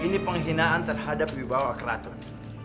ini penghinaan terhadap wibawa keraton